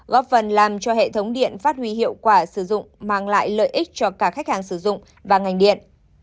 góp phần làm cho hệ thống điện phát huy hiệu quả sử dụng mang lại lợi ích cho cả khách hàng sử dụng và ngành điện